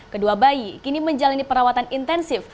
kedua bayi kini menjalani perawatan intensif